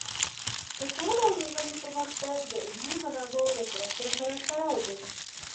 د ښوونې او روزنې پرمختګ د علمي منابعو د پراختیا سره تړاو لري.